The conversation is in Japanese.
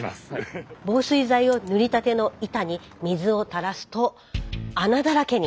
防水剤を塗りたての板に水をたらすと穴だらけに。